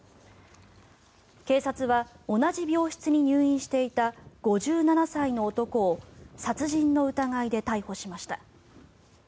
警察は、同じ病室に入院していた５７歳の男を殺人の疑いで逮捕しました。